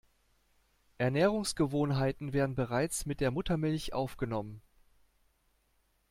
Ernährungsgewohnheiten werden bereits mit der Muttermilch aufgenommen.